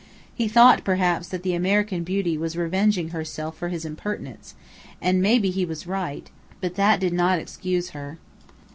He thought, perhaps, that the American beauty was revenging herself for his impertinence, and maybe he was right, but that did not excuse her.